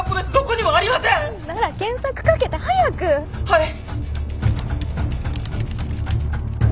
はい。